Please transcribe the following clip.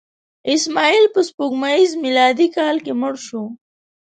اسماعیل په سپوږمیز میلادي کال کې مړ شو.